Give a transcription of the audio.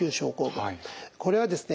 これはですね